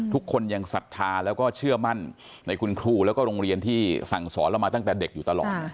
ทุกคนยังศรัทธาแล้วก็เชื่อมั่นในคุณครูแล้วก็โรงเรียนที่สั่งสอนเรามาตั้งแต่เด็กอยู่ตลอด